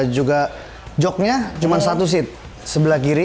juga jognya cuma satu seat sebelah kiri